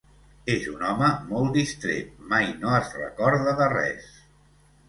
És un home molt distret: mai no es recorda de res.